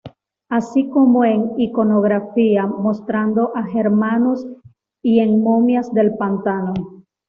Así como en iconografía mostrando a germanos y en momias del pantano.